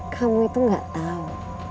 kamu itu gak tau